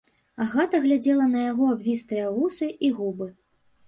Агата глядзела на яго абвіслыя вусы і губы.